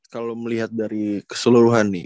kalau melihat dari keseluruhan nih